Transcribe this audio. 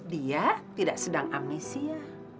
dia tidak sedang amnesia